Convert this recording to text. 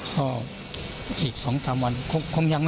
เขาควรมาหาพ่อได้ไหม